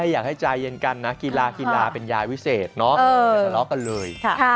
อย่างให้จ่ายเย็นกันนะฟุตบอลเป็นยายวิเศษเนอะสะเลาะกันเลย